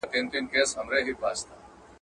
ورته څیري تر لمني دي گرېوان کړه.